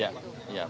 ya ya betul